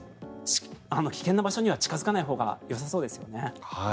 危険な場所には近付かないほうがよさそうですよね。